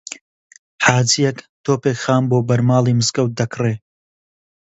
حاجییەک تۆپێک خام بۆ بەرماڵی مزگەوت دەکڕێ